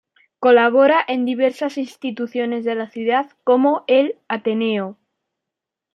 Colabora en diversas instituciones de la ciudad como el Ateneo.